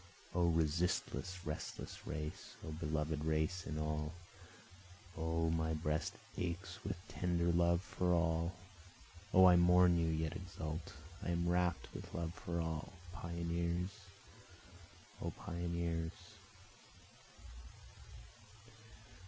O resistless restless race! O beloved race in all! O my breast aches with tender love for all! O I mourn and yet exult, I am rapt with love for all, Pioneers! O pioneers!